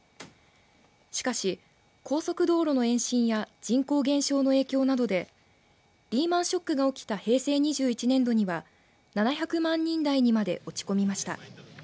しかし、高速道路の延伸や人口減少の影響などでリーマンショックが起きた平成２１年度には７００万人台にまで落ち込みました。